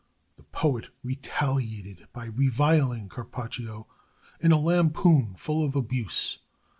The poet retaliated by reviling Carpaccio in a lampoon full of abuse.